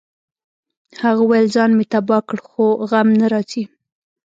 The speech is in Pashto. هغه ویل ځان مې تباه کړ خو غم نه راځي